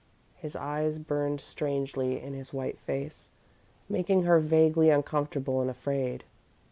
His eyes burned strangely in his white face, making her vaguely uncomfortable and afraid.